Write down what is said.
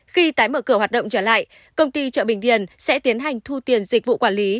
khi tái mở cửa hoạt động trở lại công ty chợ bình điền sẽ tiến hành thu tiền dịch vụ quản lý